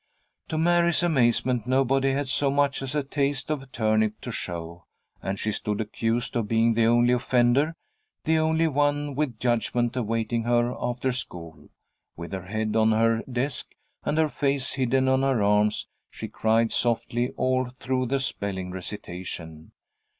To Mary's amazement, nobody had so much as a taste of turnip to show, and she stood accused of being the only offender, the only one with judgment awaiting her after school. With her head on her desk, and her face hidden on her arms, she cried softly all through the spelling recitation.